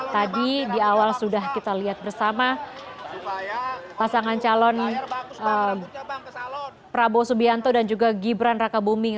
tadi di awal sudah kita lihat bersama pasangan calon prabowo subianto dan juga gibran raka buming